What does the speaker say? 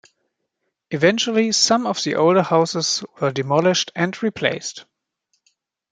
Eventually some of the older houses were demolished and replaced.